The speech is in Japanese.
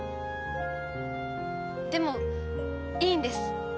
でもいいんです。